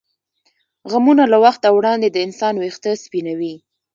غمونه له وخته وړاندې د انسان وېښته سپینوي.